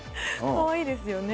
かわいいですよね。